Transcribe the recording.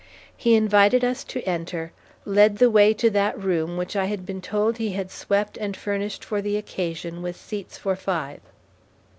He invited us to enter, led the way to that room which I had been told he had swept and furnished for the occasion with seats for five.